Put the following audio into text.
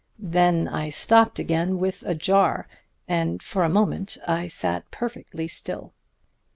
Then I stopped again with a jar, and for a moment I sat perfectly still.